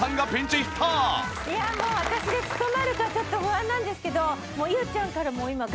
いやもう私で務まるかちょっと不安なんですけど。